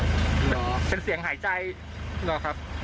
เหรอเป็นเสียงหายใจหรอครับ